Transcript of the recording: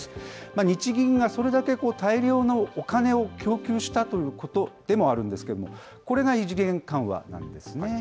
日銀がそれだけ大量のお金を供給したということでもあるんですけれども、これが異次元緩和なんですね。